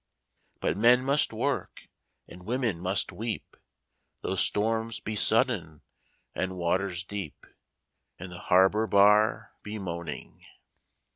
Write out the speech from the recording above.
But men must work, and women must weep, Though storms be sudden, and waters deep, And the harbour bar be moaning.